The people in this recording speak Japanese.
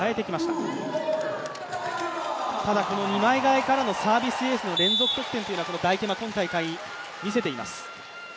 ただこの二枚替えからのサービスエースの連続得点というのはこのダイケマ、今大会、見せています。